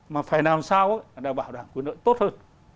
mà phải làm sao để bảo đảm quyền lợi tốt hơn